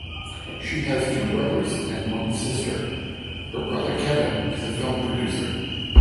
She has two brothers and one sister; her brother Kevin is a film producer.